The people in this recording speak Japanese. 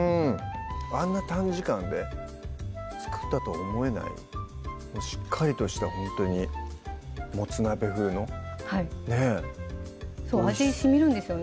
あんな短時間で作ったと思えないしっかりとしたほんとにもつ鍋風のそう味しみるんですよね